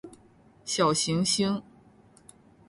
小行星